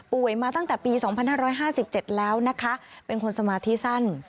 มาตั้งแต่ปี๒๕๕๗แล้วนะคะเป็นคนสมาธิสั้น